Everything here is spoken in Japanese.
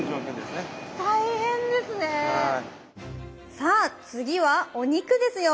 さあ次はお肉ですよ！